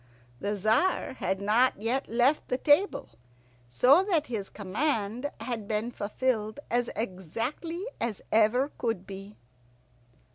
The Tzar had not yet left the table, so that his command had been fulfilled as exactly as ever could be.